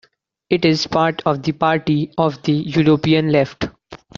It is part of the Party of the European Left.